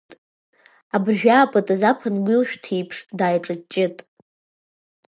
Абыржәы иаапытыз ааԥын гәилшәҭы аиԥш дааиҿаччеит.